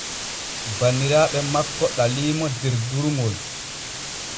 Banniraaɓe makko ɗaliimo der durŋol.